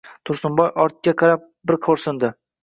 Tursunboy ortiga qarab bir xo‘rsindi.